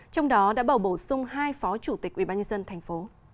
trong đó đã bầu bổ sung hai phó chủ tịch ủy ban nhân dân tp